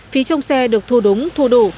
phí trong xe được thu đúng thu đủ